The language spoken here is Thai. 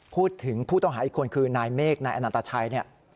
พูดถึงผู้ต้องหาอีกคนคือนายเมฆนายอาณาตาชัยเนี่ย